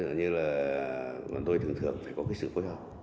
thế là như là bọn tôi thường thường phải có cái sự cơ hợp